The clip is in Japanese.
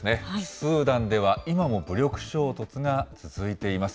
スーダンでは今も武力衝突が続いています。